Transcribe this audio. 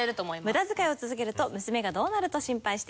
ムダ遣いを続けると娘がどうなると心配している？